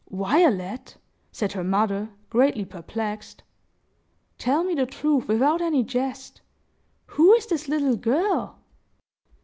"Violet," said her mother, greatly perplexed, "tell me the truth, without any jest. Who is this little girl?"